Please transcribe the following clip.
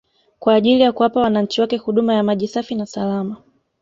kwa ajili ya kuwapa wananchi wake huduma ya maji safi na salama